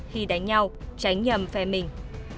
khi đánh nhau tránh nhầm phe mình